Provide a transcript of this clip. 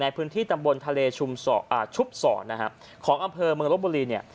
ในพื้นที่ตำบลทะเลชุมชุบศรนะฮะของอำเภอเมืองลบบุรีเนี่ย